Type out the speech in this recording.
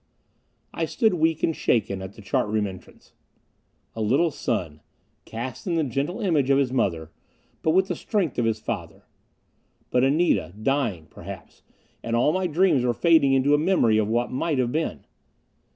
I stood weak and shaken at the chart room entrance. "A little son, cast in the gentle image of his mother. But with the strength of his father...." But Anita dying, perhaps; and all my dreams were fading into a memory of what might have been.